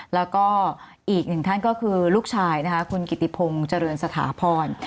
แล้วก็อีกหนึ่งท่านก็คือลูกชายนะคะคุณกิติพงศ์เจริญสถาพร